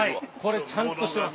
これちゃんとしてます。